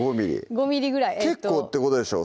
５ｍｍ結構ってことでしょ